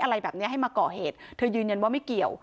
อะไรแบบนี้ให้มาก่อเหตุเธอยืนยันว่าไม่เกี่ยว